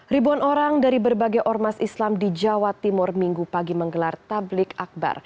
ribuan orang dari berbagai ormas islam di jawa timur minggu pagi menggelar tablik akbar